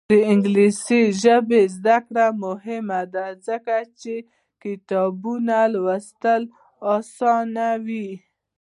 د انګلیسي ژبې زده کړه مهمه ده ځکه چې کتابونه لوستل اسانوي.